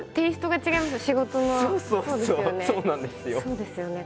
そうですよね。